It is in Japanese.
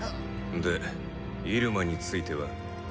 でイルマについては？